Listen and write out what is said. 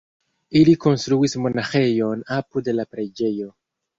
Ili konstruis monaĥejon apud la preĝejo.